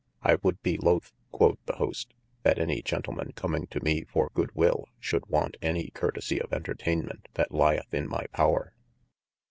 I would bee loath (quod the hoast) that any Gentleman comming to mee for good wyll, shoulde want any curtesie of intertainement that lyeth in my power.